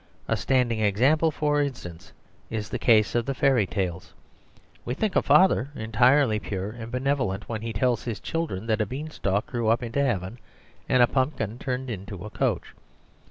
A standing example, for instance, is the case of the fairy tales. We think a father entirely pure and benevolent when he tells his children that a beanstalk grew up into heaven, and a pumpkin turned into a coach.